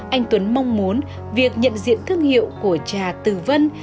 anh tuấn mong muốn việc nhận diện thương hiệu của trà từ vân